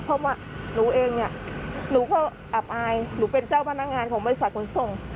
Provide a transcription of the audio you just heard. เพราะว่าหนูเองเนี่ยหนูก็อับอายหนูเป็นเจ้าพนักงานของบริษัทขนส่ง